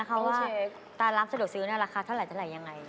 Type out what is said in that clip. ว่าตารับสะดวกซื้อราคาเท่าไหร่ยังไง